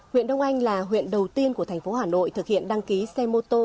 huyện đông anh là huyện đầu tiên của thành phố hà nội thực hiện đăng ký xe mô tô